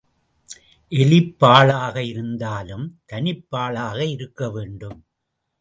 எலிப் பாழாக இருந்தாலும் தனிப் பாழாக இருக்க வேண்டும்.